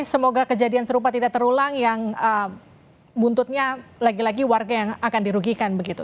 semoga kejadian serupa tidak terulang yang buntutnya lagi lagi warga yang akan dirugikan begitu